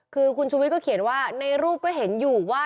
คือคุณชุวิตก็เขียนว่าในรูปก็เห็นอยู่ว่า